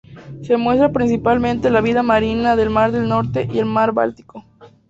Se muestra principalmente la vida marina del mar del Norte y el mar Báltico.